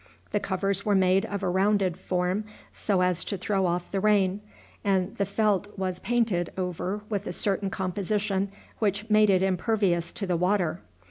The covers were made of a rounded form, so as to throw off the rain, and the felt was painted over with a certain composition which made it impervious to the water.